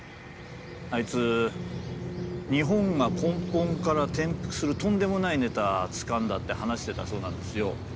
あいつ「日本が根本から転覆するとんでもないネタつかんだ」って話してたそうなんですよ。